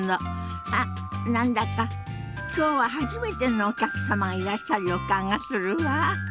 あっ何だか今日は初めてのお客様がいらっしゃる予感がするわ。